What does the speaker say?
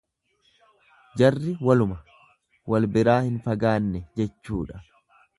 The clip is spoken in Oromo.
Jarri waluma, wal biraa hin fagaanne jechuudha.